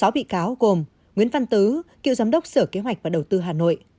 sáu bị cáo gồm nguyễn văn tứ cựu giám đốc sở kế hoạch và đầu tư hà nội